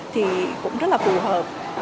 thì cũng rất là phù hợp